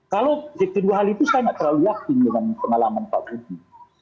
kalau kedua hal itu saya nggak terlalu yakin dengan pengalaman pak budi